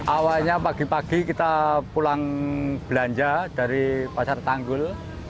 awalnya pagi pagi kita pulang belanja dari pasar tanggul